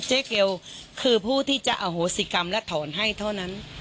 เกลคือผู้ที่จะอโหสิกรรมและถอนให้เท่านั้น